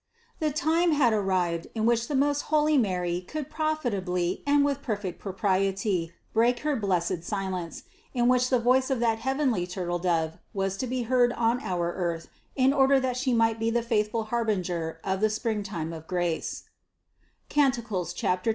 The time had arrived, in which the most holy Mary could profitably and with perfect propriety break her blessed silence, in which the voice of that heavenly Turtledove was to be heard on our earth in order that She might be the faithful harbinger of the springtime of grace (Cant 2, 12).